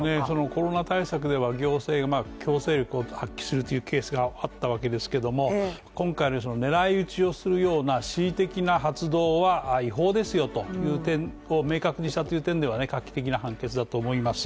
コロナ対策では行政が強制力を発揮するというケースがあったわけですけども、今回の狙い撃ちをするような恣意的な発動は違法ですよという点を明確にしたという点ではね画期的な判決だと思います。